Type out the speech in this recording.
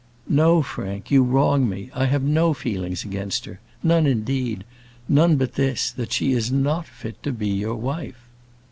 "No, Frank; you wrong me. I have no feelings against her none, indeed; none but this: that she is not fit to be your wife."